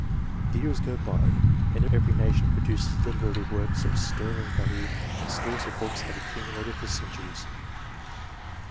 The years go by : in every year, every nation produces literary works of sterling value, and stores of books have accumulated for centuries.